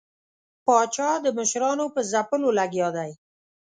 پاچا د مشرانو په ځپلو لګیا دی.